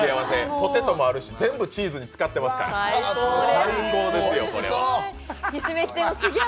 ポテトもあるし全部チーズにつかってますから最高ですよ、これは。